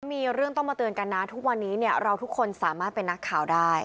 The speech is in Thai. มีเรื่องต้องมาเตือนกันนะทุกวันนี้เนี่ยเราทุกคนสามารถเป็นนักข่าวได้